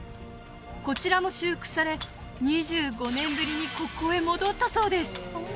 こちらも修復され２５年ぶりにここへ戻ったそうです